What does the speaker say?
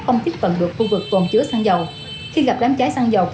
không thiết tận được khu vực còn chứa xăng dầu